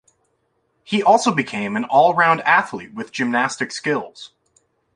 He also became an all around athlete with gymnastic skills.